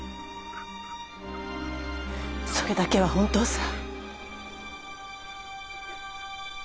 それだけは本当さ。